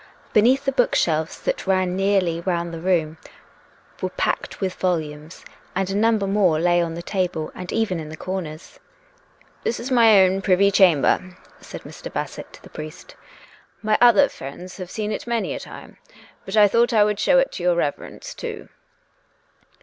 Beneath, the book shelves that ran nearly round the room were packed with volumes, and a number more lay on the table and even in the corners. " This is my own privy chamber," said Mr. Bassett to the priest. " My other friends have seen it many a time, but I thought I would show it to your Reverence, too."